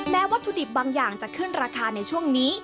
วัตถุดิบบางอย่างจะขึ้นราคาในช่วงนี้